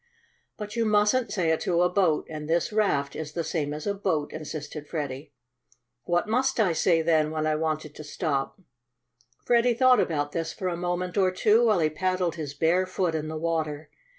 '" "But you mustn't say it to a boat, and this raft is the same as a boat," insisted Freddie. "What must I say, then, when I want it to stop?" Freddie thought about this for a moment or two while he paddled his bare foot in the water.